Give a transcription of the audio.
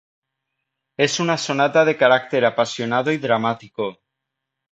Es una sonata de carácter apasionado y dramático.